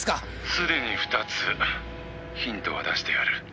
「すでに２つヒントは出してある」